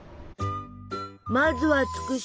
まずは「つくし」。